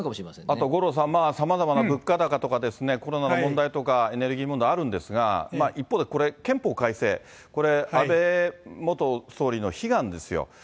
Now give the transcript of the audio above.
あと五郎さん、さまざまな物価高とか、コロナの問題とか、エネルギー問題あるんですが、一方でこれ、憲法改正、これ、安倍元総理の悲願ですよ。